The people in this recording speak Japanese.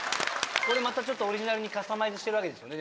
これまたちょっとオリジナルにカスタマイズしてるわけですよね？